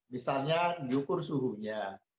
misalnya diukur suhunya